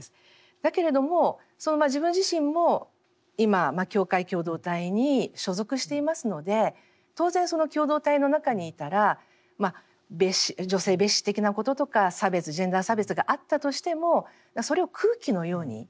だけれどもその自分自身も今教会共同体に所属していますので当然その共同体の中にいたら女性蔑視的なこととか差別ジェンダー差別があったとしてもそれを空気のように吸っている。